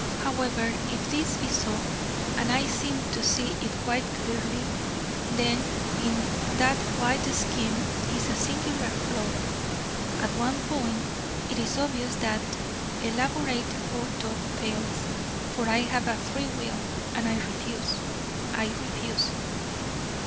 However, if this be so and I seem to see it quite clearly then in that White scheme is a singular flaw: at one point, it is obvious, that elaborate Forethought fails: for I have a free will and I refuse, I refuse.